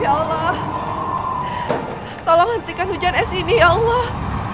ya allah tolong hentikan hujan es ini ya allah